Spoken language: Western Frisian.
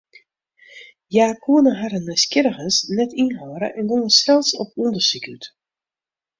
Hja koene harren nijsgjirrigens net ynhâlde en gongen sels op ûndersyk út.